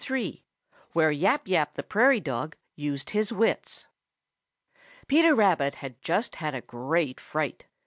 III WHERE YAP YAP THE PRAIRIE DOG USED HIS WITS Peter Rabbit had just had a great fright.